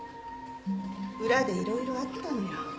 裏でいろいろあったのよ。